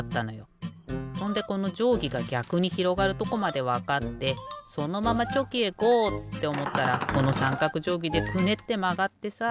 ほんでこのじょうぎがぎゃくにひろがるとこまでわかってそのままチョキへゴー！っておもったらこのさんかくじょうぎでクネッてまがってさ。